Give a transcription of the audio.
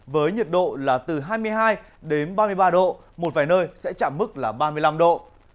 với nhiệt độ là từ hai mươi hai đến ba mươi ba độ một vài nơi sẽ chạm mức là ba mươi năm độ